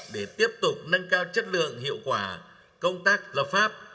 để tiếp tục nâng cao chất lượng hiệu quả công tác lập pháp